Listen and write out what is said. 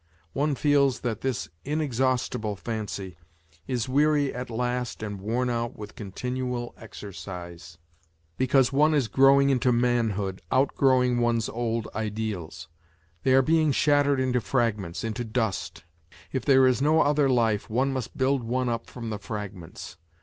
One feels that this inexJiaustible fancy is weary 22 WHITE NIGHTS at last and worn out with continual exercise, because one is growing into manhood, outgrowing one's old ideals : they are being shattered into fragments, into dust; if there is no other life one must build one up from the fragments.